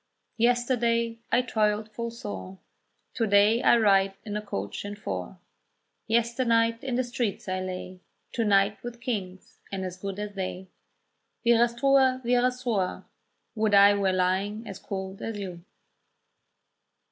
Yesterday I toiled full sore, To day I ride in a coach and four. Yesternight in the streets I lay, To night with kings, and as good as they." Wirastrua! wirastrua! would I were lying as cold as you.